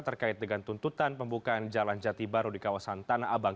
terkait dengan tuntutan pembukaan jalan jati baru di kawasan tanah abang